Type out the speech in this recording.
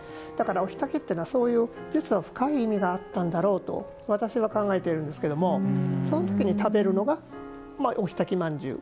お火焚きっていうのは実は、そういう深い意味があったんだろうと私は考えているんですけどその時に食べるのがお火焚きまんじゅう。